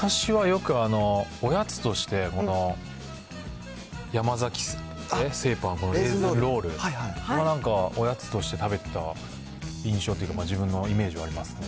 昔はよくおやつとして、山崎製パンのレーズンロール、なんかおやつとして食べてた印象っていうか、自分のイメージはあります。